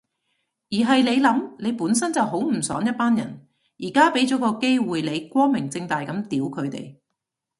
而係你諗，你本身就好唔爽一班人，而家畀咗個機會你光明正大噉屌佢哋